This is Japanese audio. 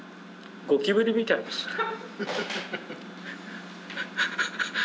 ゴキブリみたいですね。